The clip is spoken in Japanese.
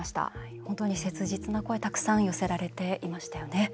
本当に切実な声たくさん寄せられていましたよね。